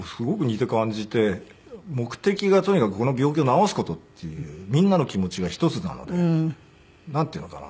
目的がとにかくこの病気を治す事っていうみんなの気持ちが一つなのでなんていうのかな